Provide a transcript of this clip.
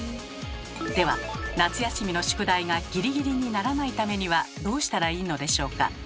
では夏休みの宿題がギリギリにならないためにはどうしたらいいのでしょうか？